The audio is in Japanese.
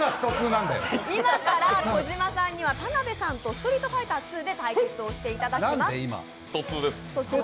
今から児嶋さんには、田辺さんと「ストリートファイターⅡ」で対決をしていただきます。